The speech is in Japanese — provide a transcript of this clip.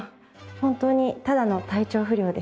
本当にただの体調不良で。